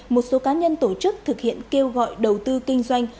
một số cá nhân tổ chức thực hiện kêu gọi đầu tư kinh doanh